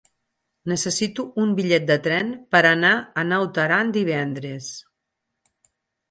Necessito un bitllet de tren per anar a Naut Aran divendres.